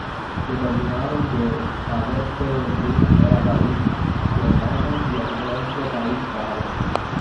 Determinaron que al este del Rin era país germano y, al oeste, país galo.